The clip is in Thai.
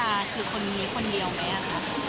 และสำหรับวินค้าคือคนมีคนนี้คนเดียวไหมนะครับ